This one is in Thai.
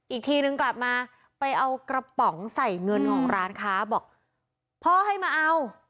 อีกทีนึงกลับมาไปเอากระป๋องใส่เงินของร้านค้าบอกพ่อให้มาเอา